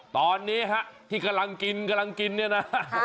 ตอนนี้ฮะที่กำลังกินกำลังกินเนี่ยนะ